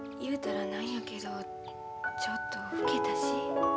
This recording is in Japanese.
言うたらなんやけどちょっと老けたし。